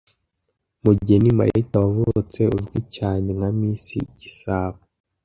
Mugeni Marita wavutse uzwi cyane nka Miss igisabo